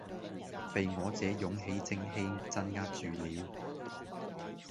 被我這勇氣正氣鎭壓住了。